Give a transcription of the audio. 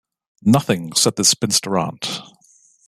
‘Nothing,’ said the spinster aunt.